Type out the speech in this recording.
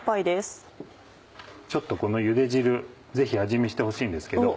ちょっとこのゆで汁ぜひ味見してほしいんですけど。